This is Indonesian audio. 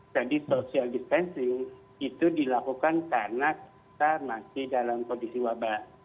jadi social distancing itu dilakukan karena kita masih dalam kondisi wabak